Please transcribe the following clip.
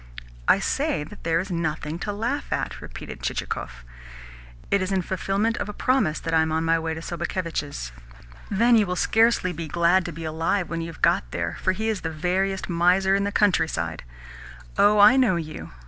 "I say that there is nothing to laugh at," repeated Chichikov. "It is in fulfilment of a promise that I am on my way to Sobakevitch's." "Then you will scarcely be glad to be alive when you've got there, for he is the veriest miser in the countryside. Oh, I know you.